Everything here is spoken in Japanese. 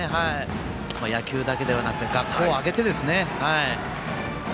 野球だけではなく学校を挙げてですね。